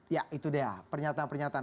ya itu dia pernyataan pernyataan